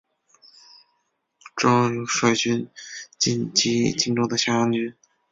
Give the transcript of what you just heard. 庄尤率军进击荆州的下江军。